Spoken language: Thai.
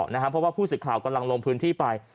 เพราะว่าผู้สื่อข่าวกำลังลงพื้นที่ไป